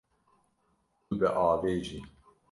Tu diavêjî.